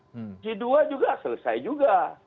uji dua juga selesai juga